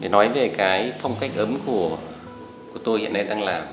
nói về cái phong cách ấm của tôi hiện nay đang làm